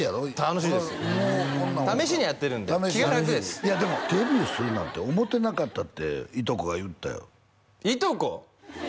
楽しいです試しにやってるんで気が楽ですいやでもデビューするなんて思ってなかったっていとこが言うてたよいとこ！？